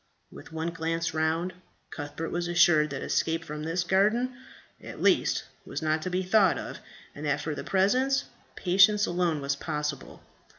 With one glance round, Cuthbert was assured that escape from this garden, at least, was not to be thought of, and that for the present, patience alone was possible.